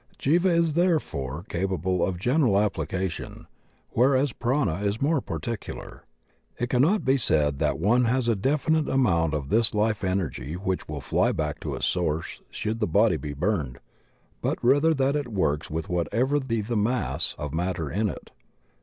Jiva is therefore capable of general application, where as Prana is more particular. It cannot be said that one has a definite amount of this Life Energy which will fly back to its source should the body be burned, but rather that it works with whatever be the mass of matter in it.